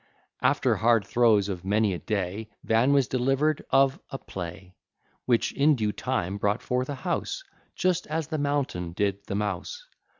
After hard throes of many a day Van was delivered of a play, Which in due time brought forth a house, Just as the mountain did the mouse.